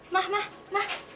mah mah mah